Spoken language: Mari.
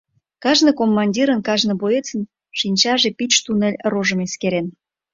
Кажне командирын, кажне боецын шинчаже пич туннель рожым эскерен.